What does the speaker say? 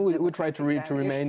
kita melihat ke eropa untuk